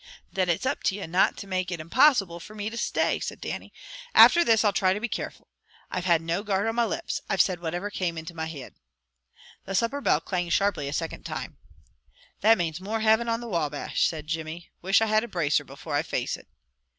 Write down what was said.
"Then it's up to ye na to make it impossible for me to stay," said Dannie. "After this, I'll try to be carefu'. I've had no guard on my lips. I've said whatever came into my heid." The supper bell clanged sharply a second time. "That manes more Hivin on the Wabash," said Jimmy. "Wish I had a bracer before I face it."